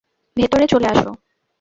ভেতরে চলে আসো!